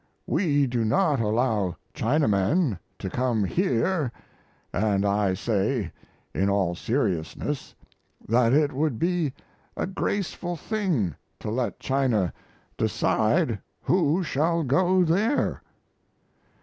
We do not allow Chinamen to come here, and I say, in all seriousness, that it would be a graceful thing to let China decide who shall go there.